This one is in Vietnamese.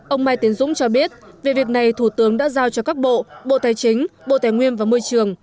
ông mai tiến dũng cho biết về việc này thủ tướng đã giao cho các bộ bộ tài chính bộ tài nguyên và môi trường